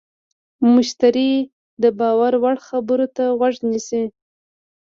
مشتری د باور وړ خبرو ته غوږ نیسي.